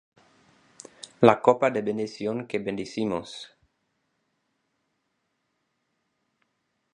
La copa de bendición que bendecimos,